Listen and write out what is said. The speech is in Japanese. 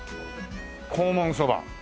「黄門そば」